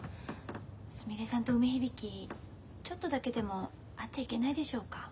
すみれさんと梅響ちょっとだけでも会っちゃいけないでしょうか？